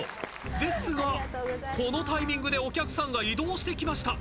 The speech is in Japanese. ですがこのタイミングでお客さんが移動してきました。